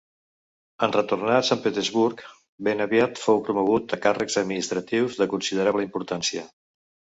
En retornar a Sant Petersburg, ben aviat fou promogut a càrrecs administratius de considerable importància.